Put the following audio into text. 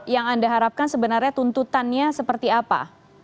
yang anda harapkan sebenarnya tuntutannya seperti apa